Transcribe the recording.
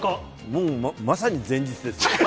もうまさに前日ですよ。